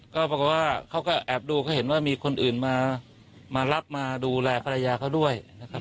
ก็ปรากฏว่าเขาก็แอบดูเขาเห็นว่ามีคนอื่นมารับมาดูแลภรรยาเขาด้วยนะครับ